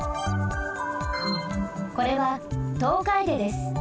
これはトウカエデです。